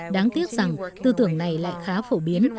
đáng tiếc rằng tư tưởng này lại khá phổ biến